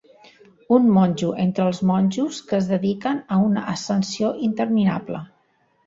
Un monjo entre els monjos que es dediquen a una ascensió interminable.